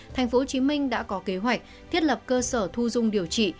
tp hcm đã có kế hoạch thiết lập cơ sở thu dung điều trị